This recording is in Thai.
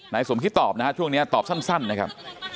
นายสมคิตตอบนะครับช่วงนี้ตอบสั้นนะครับ